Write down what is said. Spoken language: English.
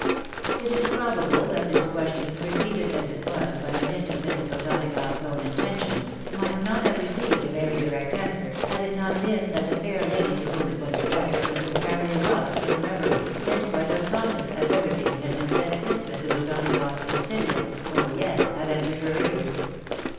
" It is probable that this question, preceded as it was by the hint of MiB. O'Donagough's own intentions, might not have received a very direct answer, had it not been that the fair lady to whom it was addressed was entirely lost in reverie, and quite unconscious of everything that had been said since Mrs. O'Dona gough's insidious " Oh ! yes," had entered her ears.